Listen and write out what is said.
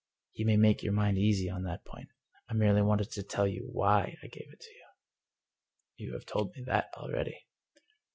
You may make your mind easy on that point. I merely wanted to tell you why I gave it you." " You have told me that already."